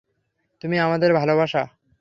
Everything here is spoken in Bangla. তুমি আমাদের ভালোবাসা।